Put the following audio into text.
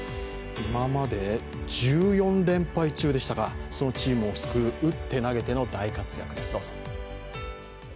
今まで１４連敗中でしたが、そのチームを救う、打って投げての大活躍です。